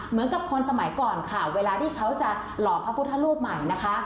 เหมือนกับคนสมัยก่อนค่ะเวลาที่เขาจะหล่อพระพุทธรูปใหม่นะคะ